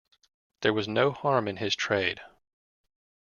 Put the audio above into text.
There was no harm in his trade.